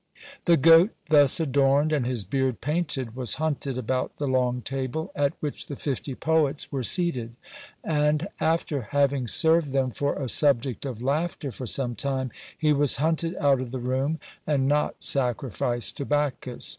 The goat thus adorned, and his beard painted, was hunted about the long table, at which the fifty poets were seated; and after having served them for a subject of laughter for some time, he was hunted out of the room, and not sacrificed to Bacchus.